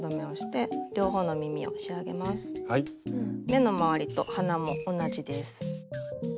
目の周りと鼻も同じです。